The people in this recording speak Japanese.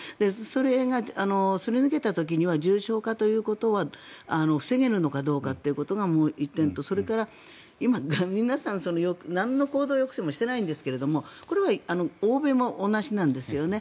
それがすり抜けた時には重症化ということは防げるのかどうかということが１点とそれから、今、皆さんなんの行動抑制もしていないんですがこれは欧米も同じなんですよね。